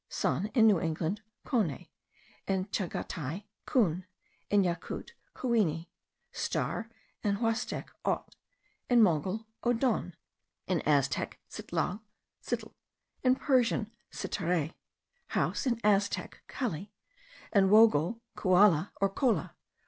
(Sun, in New England, kone; in Tschagatai, koun; in Yakout, kouini. Star, in Huastec, ot; in Mongol, oddon; in Aztec, citlal, citl; in Persian, sitareh. House, in Aztec, calli; in Wogoul, kualla or kolla.